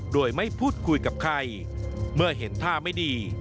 โดยไม่พูดคุยกับใครเมื่อเห็นท่าไม่ดี